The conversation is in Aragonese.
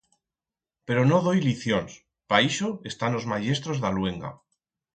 Pero no doi licions, pa ixo están os mayestros d'a luenga.